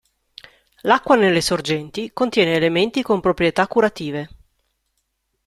L'acqua nelle sorgenti contiene elementi con proprietà curative.